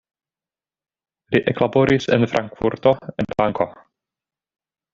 Li eklaboris en Frankfurto en banko.